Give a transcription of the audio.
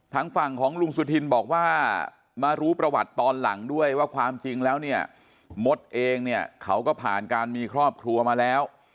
ทางฝั่งของลุงสุธินบอกว่ามารู้ประวัติตอนหลังด้วยว่าความจริงแล้วเนี่ยมดเองเนี่ยเขาก็ผ่านการมีครอบครัวมาแล้ว